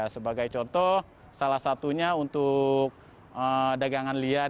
sebagai contoh salah satunya untuk dagangan liar